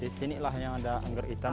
jadi inilah yang ada anggrek hitam